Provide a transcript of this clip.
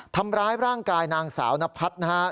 ทำร้ายร่างกายนางสาวนพัฒน์นะฮะ